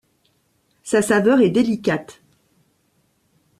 Sa saveur est délicate.